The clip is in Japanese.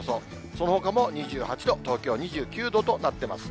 そのほかも２８度、東京２９度となってます。